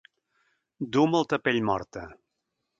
Dur molta pell morta.